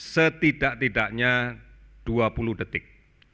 setidak tidaknya dua puluh detik